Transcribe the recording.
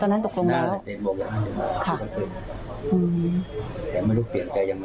แต่ไม่รู้เปลี่ยนใจยังไง